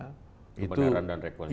kebenaran dan rekonsiliasi